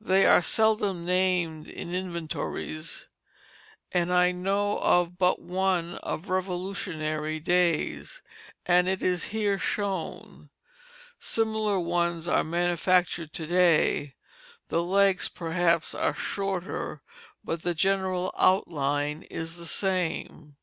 They are seldom named in inventories, and I know of but one of Revolutionary days, and it is here shown. Similar ones are manufactured to day; the legs, perhaps, are shorter, but the general outline is the same.